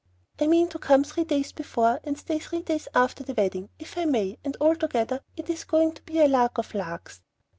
I mean to come three days before, and stay three days after the wedding, if I may, and altogether it is going to be a lark of larks.